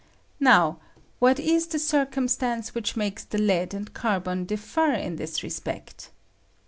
Now, what is the circumstance which makes the lead and carbon differ in this respect?